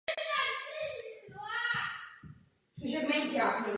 Svůj název nese po četných vinicích ve svém okolí.